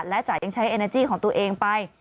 และจ๋ายังใช้เอเนอร์จี้ของตัวเองไป